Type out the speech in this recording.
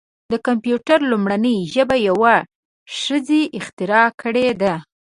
د کمپیوټر لومړنۍ ژبه یوه ښځې اختراع کړې ده.